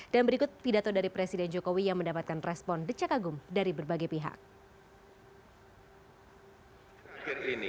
dan berikut pidato dari presiden jokowi yang mendapatkan respon decak agung dari berbagai pihak